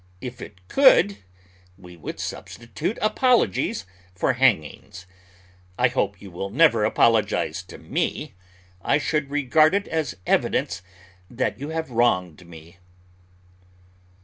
If it could, we would substitute apologies for hangings. I hope you will never apologize to me; I should regard it as evidence that you had wronged me.